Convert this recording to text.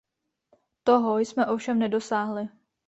Toho jsme ovšem nedosáhli.